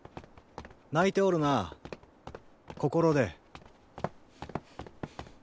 泣いておるな心で。